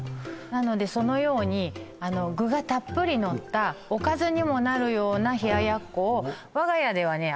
なのでそのように具がたっぷりのったおかずにもなるような冷奴を我が家ではね